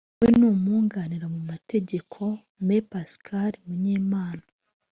we n’umwunganira mu mategeko Me Pascal Munyemana